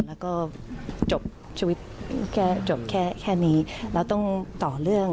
แล้วก็จบชีวิตแค่นี้แล้วต้องต่อเรื่อง